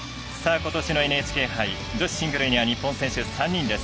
ことしのＮＨＫ杯女子シングルには日本選手、３人です。